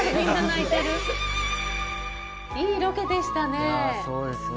いいロケでしたね。